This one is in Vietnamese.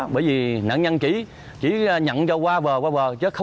bởi vì nạn nhân chỉ nhận cho qua vờ qua vờ